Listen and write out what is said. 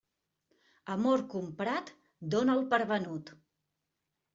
Amor comprat dóna'l per venut.